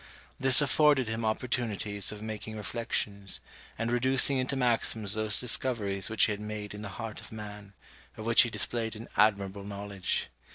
This afforded him opportunities of making reflections, and reducing into maxims those discoveries which he had made in the heart of man, of which he displayed an admirable knowledge.